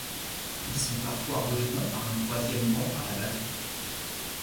Ils sont parfois rejoint par un troisième membre à la batterie.